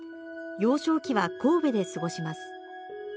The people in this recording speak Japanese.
幼少期は神戸で過ごします。